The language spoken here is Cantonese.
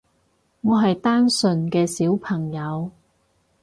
我係單純嘅小朋友